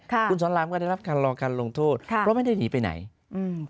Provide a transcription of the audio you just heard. คุณสอนรามก็ได้รับการรอการลงโทษค่ะเพราะไม่ได้หนีไปไหนอืม